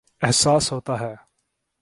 احساس ہوتاہے